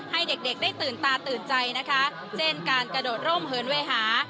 ให้เด็กเด็กได้ตื่นตาตื่นใจนะคะเช่นการกระโดดร่มเหินเวหา